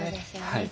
はい。